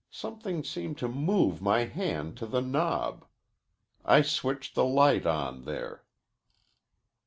Something seemed to move my hand to the knob. I switched the light on there."